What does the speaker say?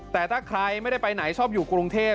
แต่ถ้าใครไม่ได้ไปไหนชอบอยู่กรุงเทพ